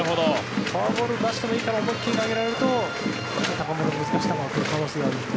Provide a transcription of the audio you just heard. フォアボールを出してもいいから思い切り投げられると高めの難しい球が来る可能性があるので。